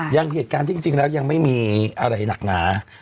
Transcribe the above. อย่างเหตุการณ์ที่จริงแล้วยังไม่มีอะไรหนักหนา